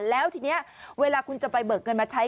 แล้วทีนี้เวลาคุณจะไปเบิกเงินมาใช้